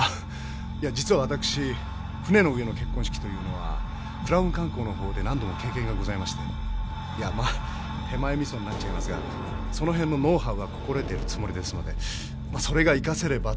実は私船の上の結婚式というのは「クラウン観光」のほうで何度も経験がございましていやまぁ手前みそになっちゃいますがそのへんのノウハウは心得ているつもりですのでそれが生かせればと。